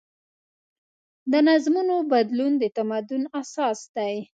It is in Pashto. د نظمونو بدلون د تمدن اساس دی.